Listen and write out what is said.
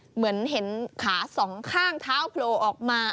เหมือนเห็นขาสองข้างเท้าโผล่ออกมา